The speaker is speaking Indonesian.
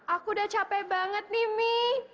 aku udah capek banget nih mi